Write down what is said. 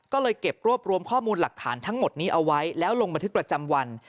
ก็เลยเก็บรวบรวมข้อมูลหลักฐานทั้งหมดนี้เอาไว้แล้วลงบันทึกประจำวัน